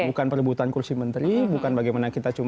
oke bukan perbutuhan kursi menteri bukan bagaimana kita cipta